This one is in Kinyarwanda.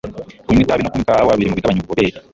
Kunywa itabi no kunywa ikawa biri mu bigabanya ububobere.